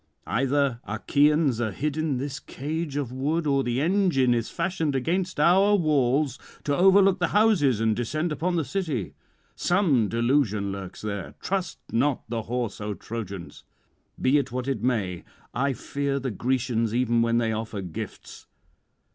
Either Achaeans are hid in this cage of wood, or the engine is fashioned against our walls to overlook the houses and descend upon the city; some delusion lurks there: trust not the horse, O Trojans. Be it what it may, I fear the Grecians even when they offer gifts."